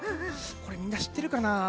これみんなしってるかな？